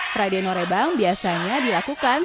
pradaya norebang biasanya dilakukan